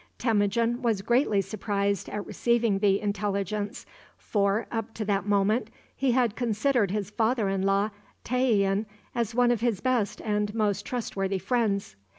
Temujin was greatly surprised at receiving the intelligence, for, up to that moment, he had considered his father in law Tayian as one of his best and most trustworthy friends.